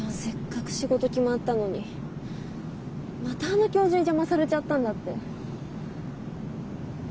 せっかく仕事決まったのにまたあの教授に邪魔されちゃったんだって。